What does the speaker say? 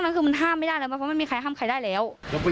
แล้วไปดึงผมเข้ามาทำไมครับ